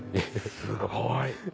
すごい！